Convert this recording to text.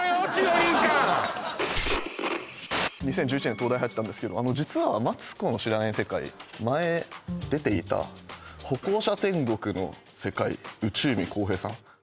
２０１１年に東大入ったんですけど実は「マツコの知らない世界」前出ていた歩行者天国の世界内海皓平さん？